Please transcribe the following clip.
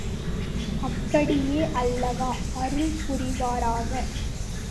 அப்படியே அல்லா அருள் புரிவாராக!